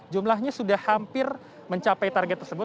jumlahnya sudah hampir mencapai target tersebut